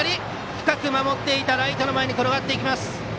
深く守っていたライトの前に転がった。